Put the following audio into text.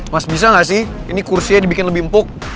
mas bisa nggak sih ini kursinya dibikin lebih empuk